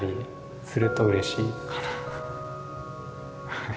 はい。